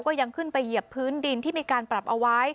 ยังขึ้นไปเหยียบพื้นดินที่มีการปรับเอาไว้